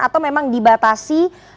atau memang dibatasi